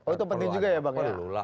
itu penting juga ya bang ya